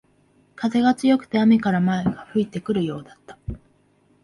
風が強くて雨が前から吹いてくるようだ